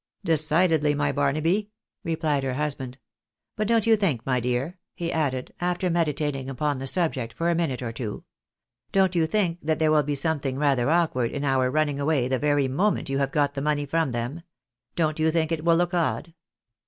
"Decidedly, my Barnaby," replied her husband. "But don't you think, my dear," he added, after meditating upon the subject for a minute or two, " don't you think that there will be something rather awkward in our running away the very moment you have got the money from them ? Don't you think it will look odd